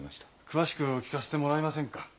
詳しく聞かせてもらえませんか？